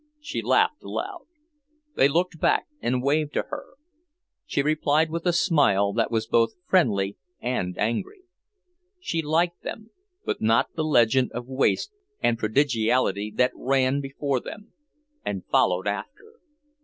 She laughed aloud. They looked back and waved to her. She replied with a smile that was both friendly and angry. She liked them, but not the legend of waste and prodigality that ran before them and followed after.